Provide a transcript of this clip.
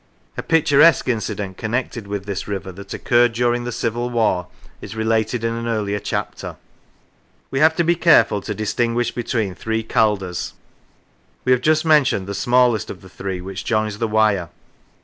A picturesque incident connected with this river that occurred during the Civil War is related in an earlier chapter. We have to be careful to distinguish between three Calders. We have just mentioned the smallest of the three, which joins the Wyre.